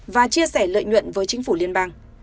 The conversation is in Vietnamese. và chia sẻ lợi nhuận với chính phủ liên bang